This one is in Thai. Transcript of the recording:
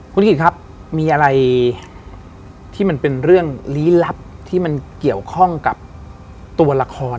คุณกิจครับมีอะไรที่มันเป็นเรื่องลี้ลับที่มันเกี่ยวข้องกับตัวละคร